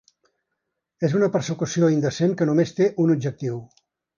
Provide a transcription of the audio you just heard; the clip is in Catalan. És una persecució indecent que només té un objectiu.